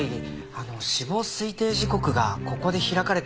あの死亡推定時刻がここで開かれた。